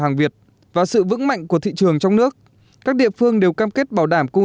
hàng việt và sự vững mạnh của thị trường trong nước các địa phương đều cam kết bảo đảm cung